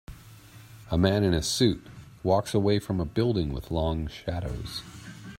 A man in a suit walks away from a building with long shadows.